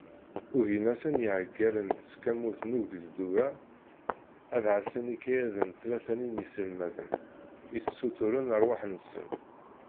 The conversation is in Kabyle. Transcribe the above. Ugin-asen yiɛeggalen n tseqqamut n ugezdu-a, ad ɛassen ikayaden tlata-nni n yiselmaden, i ssuturen rrwaḥ-nsen.